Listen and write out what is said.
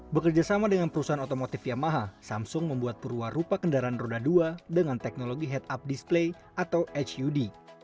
bekerjasama dengan perusahaan otomotif yamaha samsung membuat purwarupa kendaraan roda dua dengan teknologi head up display atau hud